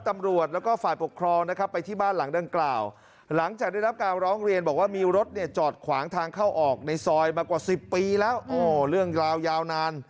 ตำรวจแล้วก็ฝ่ายปกครองนะครับไปที่บ้านหลังดั่งกล่าว